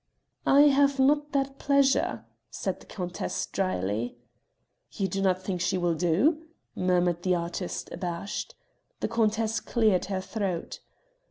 "I have not that pleasure," said the countess drily. "You do not think she will do?" murmured the artist abashed. The countess cleared her throat.